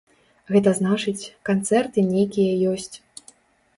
Гэта значыць, канцэрты нейкія ёсць.